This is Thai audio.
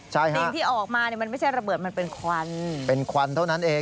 ดินที่ออกมามันไม่ใช่ระเบิดมันเป็นควัน